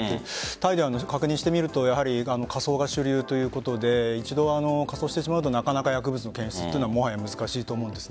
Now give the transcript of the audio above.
タイでは確認してみると火葬が主流ということで一度、火葬してしまうとなかなか薬物の検出は難しいと思うんです。